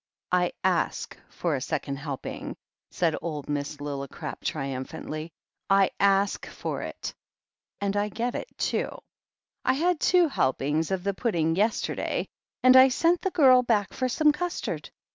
"I ask for a second helping," said old Miss Lillicrap tritmiphantly. "I ask for it. And I get it, too. I had two helpings of the pudding yesterday, and I sent the girl back for some custard.